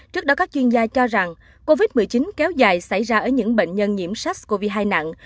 trước đó các chuyên gia cho rằng covid một mươi chín kéo dài xảy ra ở những bệnh nhân nhiễm sars cov hai nặng